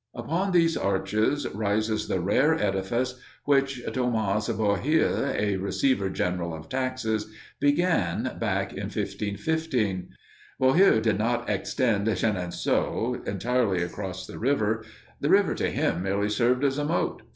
Upon these arches rises the rare edifice which Thomas Bohier, a receiver general of taxes, began back in 1515. Bohier did not extend Chenonceaux entirely across the river. The river to him, merely served as a moat.